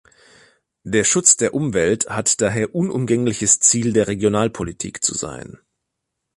Der Schutz der Umwelt hat daher unumgängliches Ziel der Regionalpolitik zu sein.